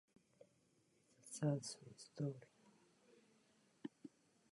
It’s a sad, sweet story.